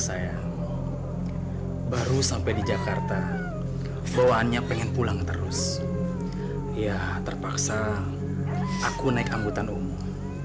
saya baru sampai di jakarta bawaannya pengen pulang terus ya terpaksa aku naik angkutan umum